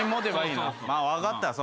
分かったよ。